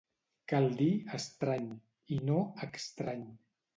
Cal dir Estrany i no Extrany